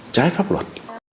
trái pháp luật